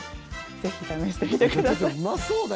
ぜひ試してみてください。